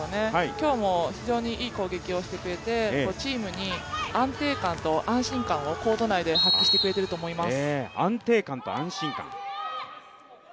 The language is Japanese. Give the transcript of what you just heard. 今日も非常にいい攻撃をしてくれてチームに安定感と安心感をコート内で発揮してくれていると思います。